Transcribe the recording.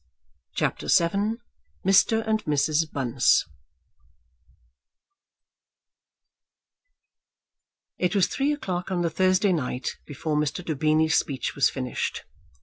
CHAPTER VII Mr. and Mrs. Bunce It was three o'clock on the Thursday night before Mr. Daubeny's speech was finished.